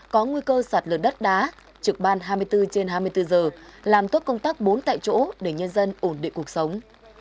có nguy cơ sạt lở đất đá trực ban hai mươi bốn trên hai mươi bốn giờ làm tốt công tác bốn tại chỗ để nhân dân ổn định cuộc sống